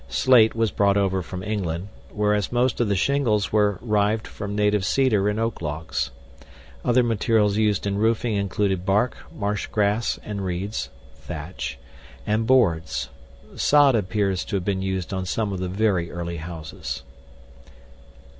Slate was brought over from England, whereas most of the shingles were rived from native cedar and oak logs. Other materials used in roofing included bark, marshgrass and reeds (thatch), and boards. Sod appears to have been used on some of the very early houses.